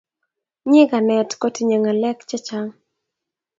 nyikanet kotinye ngalek che Chang